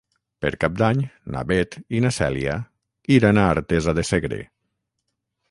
Per Cap d'Any na Beth i na Cèlia iran a Artesa de Segre.